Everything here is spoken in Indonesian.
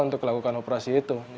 untuk melakukan operasi itu